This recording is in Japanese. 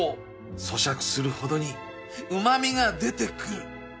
そしゃくするほどにうま味が出てくる